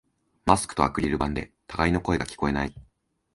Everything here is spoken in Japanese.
マスクとアクリル板で互いの声が聞こえない